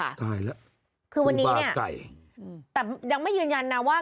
ได้แล้วครูบาไก่คือวันนี้เนี่ยอืมแต่ยังไม่ยืนยันนะว่า